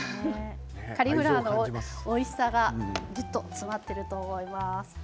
カリフラワーのおいしさがぎゅっと詰まっていると思います。